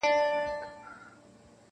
نور به د پانوس له رنګینیه ګیله نه کوم-